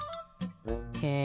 へえ。